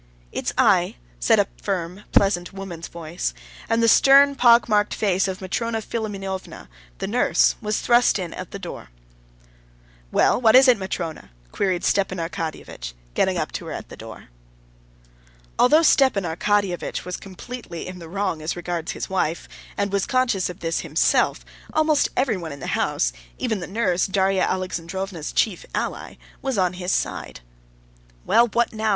"It's I," said a firm, pleasant, woman's voice, and the stern, pockmarked face of Matrona Philimonovna, the nurse, was thrust in at the doorway. "Well, what is it, Matrona?" queried Stepan Arkadyevitch, going up to her at the door. Although Stepan Arkadyevitch was completely in the wrong as regards his wife, and was conscious of this himself, almost everyone in the house (even the nurse, Darya Alexandrovna's chief ally) was on his side. "Well, what now?"